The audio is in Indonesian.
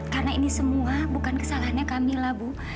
karena ini semua bukan kesalahannya kamila bu